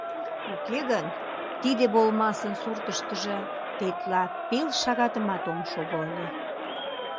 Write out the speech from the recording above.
Уке гын, тиде болмасын суртыштыжо тетла пел шагатымат ом шого ыле.